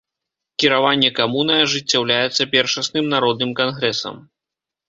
Кіраванне камунай ажыццяўляецца першасным народным кангрэсам.